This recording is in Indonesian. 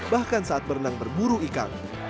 bahkan saat berenang berburu ikan